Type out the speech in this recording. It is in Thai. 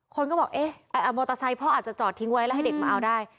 คนก็บอกเอ๊ะมอเตอร์ไซค์พ่ออาจจะจอดทิ้งไว้แล้วให้เด็กมาเอาได้